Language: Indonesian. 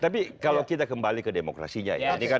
tapi kalau kita kembali ke demokrasinya ya